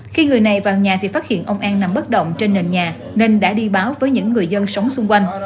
khi người này vào nhà thì phát hiện ông an nằm bất động trên nền nhà nên đã đi báo với những người dân sống xung quanh